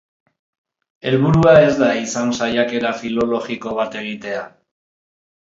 Helburua ez da izan saiakera filologiko bat egitea.